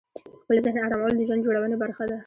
خپل ذهن آرامول د ژوند جوړونې برخه ده.